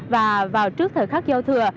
và vào trước thời khắc giao thừa